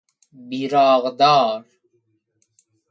بیراقدار